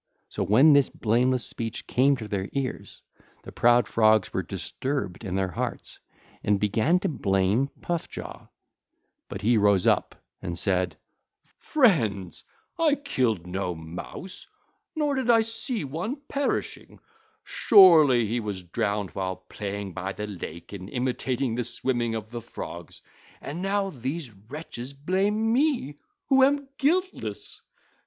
So when this blameless speech came to their ears, the proud Frogs were disturbed in their hearts and began to blame Puff jaw. But he rose up and said: (ll. 147 159) 'Friends, I killed no Mouse, nor did I see one perishing. Surely he was drowned while playing by the lake and imitating the swimming of the Frogs, and now these wretches blame me who am guiltless.